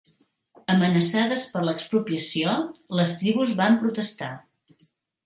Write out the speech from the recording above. Amenaçades per l'expropiació, les tribus van protestar.